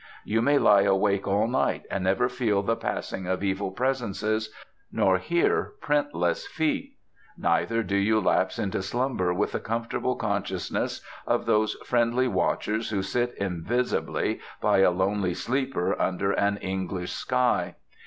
You may lie awake all night and never feel the passing of evil presences, nor hear printless feet; neither do you lapse into slumber with the comfortable consciousness of those friendly watchers who sit invisibly by a lonely sleeper under an English sky.